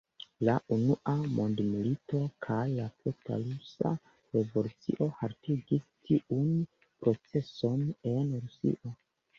La unua mondmilito kaj la posta rusa revolucio haltigis tiun proceson en Rusio.